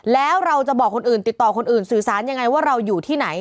แล้วเราจะบอกคนอื่นติดต่อคนอื่นสื่อสารยังไงว่าเราอยู่ที่ไหน